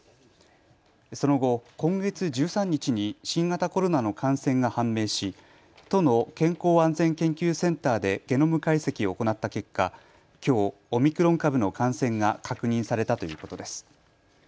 その後、今月１３日に新型コロナの感染が判明し都の健康安全研究センターでゲノム解析を行った結果、きょうオミクロン株の感染が確認されたということです。